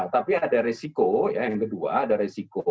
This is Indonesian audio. tapi ada resiko yang kedua ada resiko